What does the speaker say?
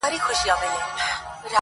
بریالي وه له دې فتحي یې زړه ښاد وو -